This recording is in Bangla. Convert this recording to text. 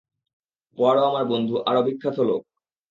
পোয়ারো আমার বন্ধু আর ও বিখ্যাত লোক!